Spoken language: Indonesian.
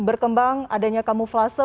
berkembang adanya kamuflase